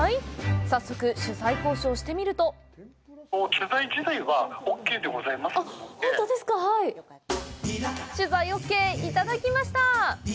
早速、取材交渉してみると取材ＯＫいただきました！